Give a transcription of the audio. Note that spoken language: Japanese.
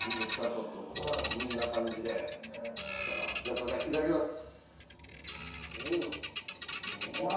ちょっとこんな感じでへえじゃあすいませんいただきます